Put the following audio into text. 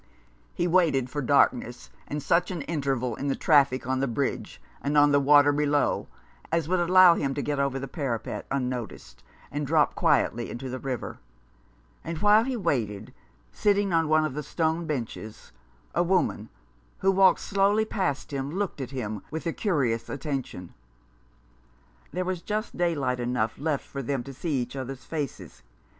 He waited for darkness, and such an interval in the traffic on the bridge, and on the water below, as would allow him to get over the parapet unnoticed and drop quietly into the river ; and while he waited, sitting on one of the stone benches, a woman, who walked slowly past him, looked at him with a curious attention. There was just daylight enough left for them to see each other's faces.